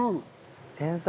天才。